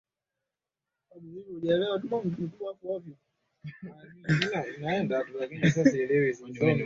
kumbuka kuungana nasi hapo itakapotimia